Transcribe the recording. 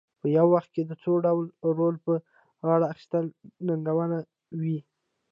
په یو وخت کې د څو ډوله رول په غاړه اخیستل ننګونه وي.